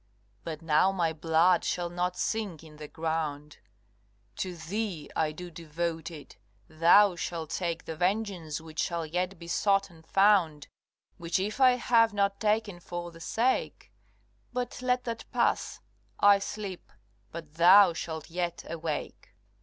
But now my blood shall not sink in the ground; To thee I do devote it THOU shalt take The vengeance, which shall yet be sought and found, Which if I have not taken for the sake But let that pass I sleep, but thou shalt yet awake.